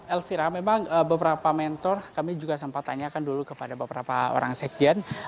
elvira memang beberapa mentor kami juga sempat tanyakan dulu kepada beberapa orang sekjen